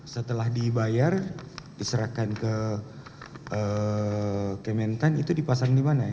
setelah dibayar diserahkan ke kementan itu lipasan dimana ya